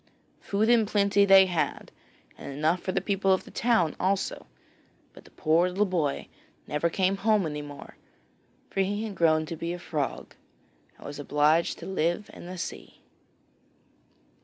Food in plenty they had, and enough for the people of the town also, but the poor little boy never came home any more, for he had grown to be a frog, and was obliged to live in the sea.